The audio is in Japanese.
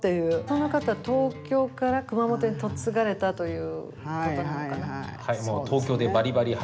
この方東京から熊本に嫁がれたということなのかな？